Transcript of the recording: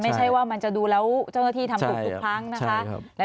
ไม่ใช่ว่ามันจะดูแล้วเจ้าหน้าที่ทำถูกทุกครั้งนะคะ